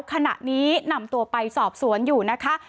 ขณะนี้นำตัวไปสอบสวนอยู่นะคะ